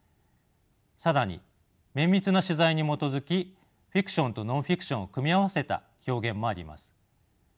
更に綿密な取材に基づきフィクションとノンフィクションを組み合わせた表現もあります。